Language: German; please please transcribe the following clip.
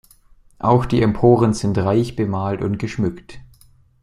Auch die Emporen sind reich bemalt und geschmückt.